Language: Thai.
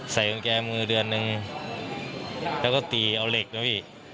ใส่กุญแจมือเดือนนึงแล้วก็ตีเอาเหล็กนะพี่